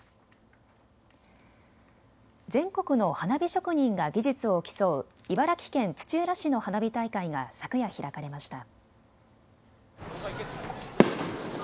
全国の花火職人が技術を競う茨城県土浦市の花火大会が昨夜、開かれました。